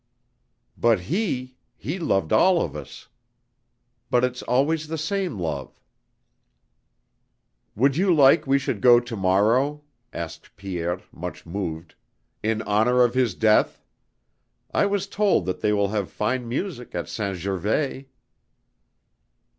But He; He loved all of us. But it's always the same love." "Would you like we should go tomorrow," asked Pierre, much moved, "in honor of His death?... I was told that they will have fine music at Saint Gervais!"